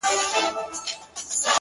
• په زړه سخت په خوى ظالم لکه شداد وو,